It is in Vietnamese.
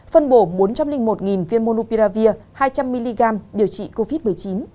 phân bổ bốn trăm linh một viên monoupiravir hai trăm linh mg điều trị covid một mươi chín